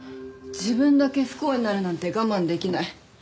自分だけ不幸になるなんて我慢できない。